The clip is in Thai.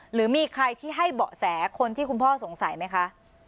หรือมีใครที่ให้เบาะแสคนที่คุณพ่อสงสัยไหมคะ